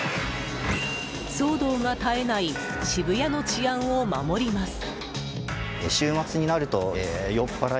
騒動が絶えない渋谷の治安を守ります。